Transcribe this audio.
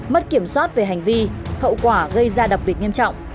mất kiểm soát về hành vi hậu quả gây ra đặc biệt nghiêm trọng